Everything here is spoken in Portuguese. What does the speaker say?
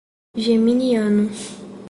Geminiano